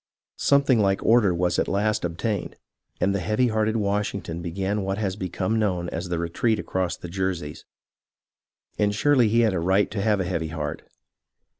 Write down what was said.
Something like order was at last obtained, and the heavy hearted Washington began what has become known as the retreat across the Jerseys. And surely he had a right to have a heavy heart.